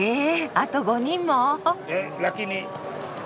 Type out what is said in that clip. あと５人も！？